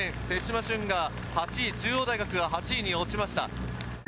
手島駿が８位、中央大学が８位に落ちました。